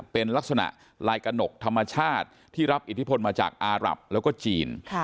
เป็นลักษณะลายกระหนกธรรมชาติที่รับอิทธิพลมาจากอารับแล้วก็จีน